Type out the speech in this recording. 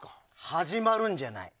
始まるんじゃない。